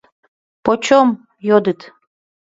— Почем? — йодыт.